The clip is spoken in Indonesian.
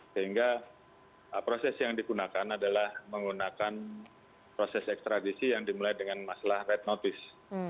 sehingga proses yang digunakan adalah menggunakan proses ekstradisi yang dimulai dengan masalah red notice